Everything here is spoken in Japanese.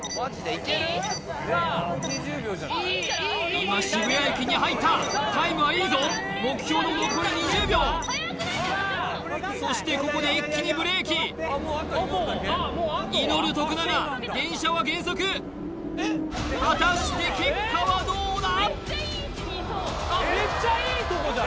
今渋谷駅に入ったタイムはいいぞ目標の残り２０秒そしてここで一気にブレーキ祈る徳永電車は減速果たして結果はどうだ？